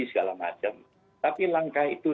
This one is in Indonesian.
segala macam tapi langkah itu